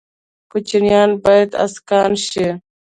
کوچیان باید اسکان شي